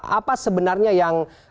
apa sebenarnya yang